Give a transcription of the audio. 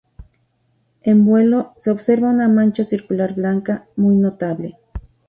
En vuelo se observa una mancha circular blanca, muy notable.